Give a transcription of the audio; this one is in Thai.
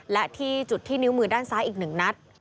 และที่จุดที่นิ้วมือด้านซ้ายอีก๑นัด